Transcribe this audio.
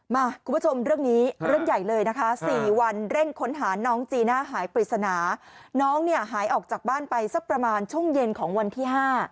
คุณผู้ชมเรื่องนี้เรื่องใหญ่เลยนะคะ๔วันเร่งค้นหาน้องจีน่าหายปริศนาน้องเนี่ยหายออกจากบ้านไปสักประมาณช่วงเย็นของวันที่๕